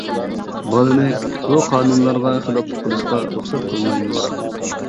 بالىنى بۇ قانۇنلارغا خىلاپلىق قىلىشىغا رۇخسەت قىلمايمىز.